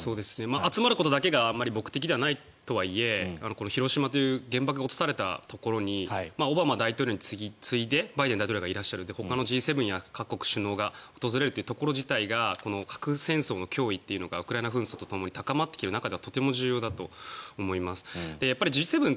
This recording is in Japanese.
集まるところだけが目的ではないとはいえ広島という原爆が落とされたところにオバマ大統領に次いでバイデン大統領がいらっしゃるってほかのＧ７や各国首脳が訪れるというところ自体が核戦争の脅威というのがウクライナ紛争とともに高まってきている中ではとても重要だと思います。